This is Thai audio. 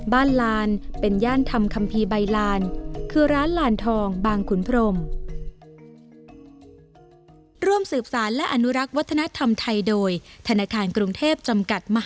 บ้านลานเป็นย่านทำคำพีใบลานคือร้านหลานทองบางขุนพรม